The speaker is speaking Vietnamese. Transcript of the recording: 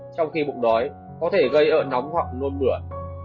trong khi bụng đói có thể gây ở nóng hoặc nôn mửa